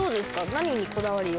何にこだわりを。